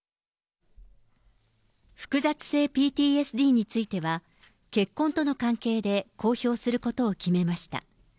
複雑性ＰＴＳＤについては、結婚との関係で公表することを決めました。